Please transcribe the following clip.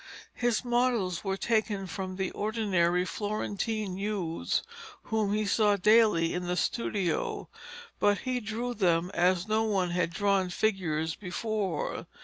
His models were taken from the ordinary Florentine youths whom he saw daily in the studio, but he drew them as no one had drawn figures before.